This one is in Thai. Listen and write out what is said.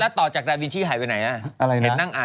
แล้วต่อจากราวิชีหายไปไหนนะ